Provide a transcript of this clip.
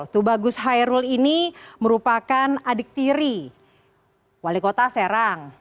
tubagus hairul ini merupakan adik tiri wali kota serang